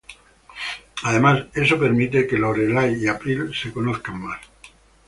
Además, eso permite que Lorelai y April se conozcan más.